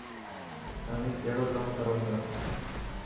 اوهين ڪهڙو ڪم ڪرو ٿا؟